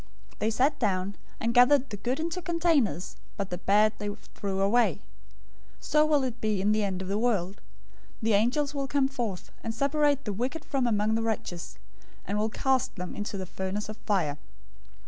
They sat down, and gathered the good into containers, but the bad they threw away. 013:049 So will it be in the end of the world. The angels will come forth, and separate the wicked from among the righteous, 013:050 and will cast them into the furnace of fire.